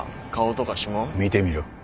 見てみろ。